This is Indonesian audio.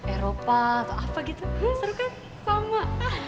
eropa atau apa gitu seru kan sama